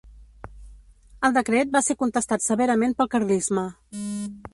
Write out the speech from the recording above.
El decret va ser contestat severament pel carlisme.